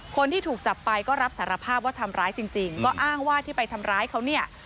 คนที่ถูกจับไปก็รับสารภาพว่าทำร้ายจริงก็อ้างว่าที่ไปทำร้ายเขาเนี่ย